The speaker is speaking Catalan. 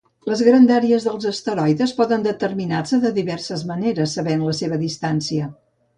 Les grandàries dels asteroides poden determinar-se de diverses maneres, sabent la seva distància.